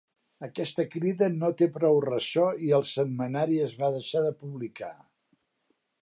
Aquesta crida no té prou ressò i el setmanari es va deixar de publicar.